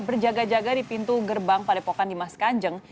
berjaga jaga di pintu gerbang padepokan dimas kanjeng